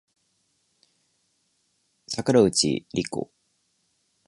桜内梨子